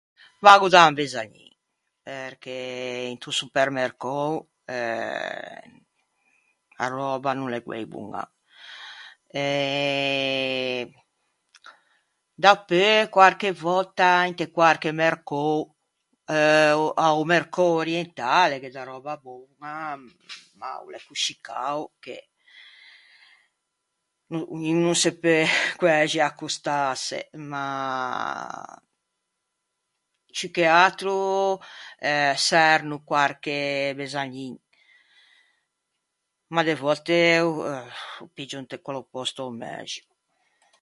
Vaggo da un besagnin, perché into supermercou... euh... a röba a no l'é guæi boña, e... dapeu quarche vòtta inte quarche mercou euh... a-o mercou orientale gh'é da röba boña, ma o l'é coscì cao che, no ni- no se peu quæxi accostâse, ma ciù che atro eh çerno quarche besagnin. Ma de votte oh ô piggio inte quello pòsto o mæximo.